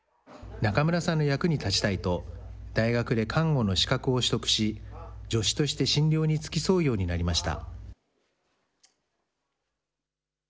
中村さんの役に立ちたいと、大学で看護の資格を取得し、助手として診療に付き添うようになりました。